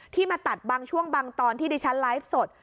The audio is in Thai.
มาตัดบางช่วงบางตอนที่ดิฉันไลฟ์สด